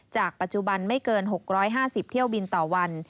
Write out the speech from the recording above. จากปัจจุบันไม่เกิน๖๕๐เที่ยวบินต่อวัน